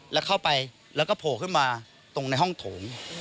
แล้วเข้าไปแล้วก็โผล่ขึ้นมาตรงในห้องโถง